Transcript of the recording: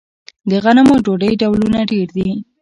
د غنمو ډوډۍ ډولونه ډیر دي.